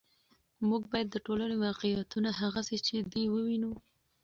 موږ باید د ټولنې واقعیتونه هغسې چې دي ووینو.